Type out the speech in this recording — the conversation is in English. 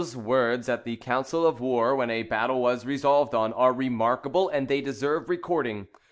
] Marlborough's words at the council of war, when a battle was resolved on, are remarkable, and they deserve recording.